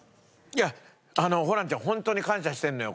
いやあのホランちゃんホントに感謝してるのよ。